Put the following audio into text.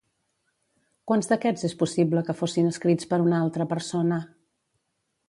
Quants d'aquests és possible que fossin escrits per una altra persona?